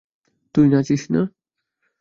তুই নাচিস না?